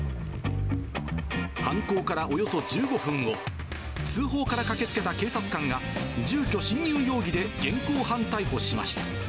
犯行からおよそ１５分後、通報から駆けつけた警察官が、住居侵入容疑で現行犯逮捕しました。